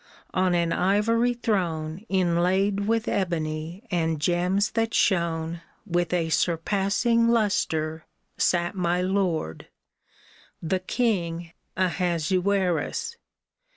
On an ivory throne Inlaid with ebony and gems that shone With a surpassing lustre, sat my lord, The King Ahasuerus.